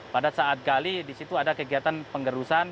pada saat gali di situ ada kegiatan pengerusan